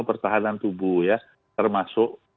pertahanan tubuh ya termasuk